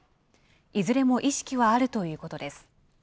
いずれも意識はあるということです。